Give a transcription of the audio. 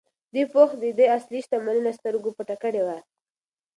دې پوښ د ده اصلي شتمني له سترګو پټه کړې وه.